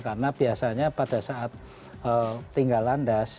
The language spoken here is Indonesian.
karena biasanya pada saat tinggal landas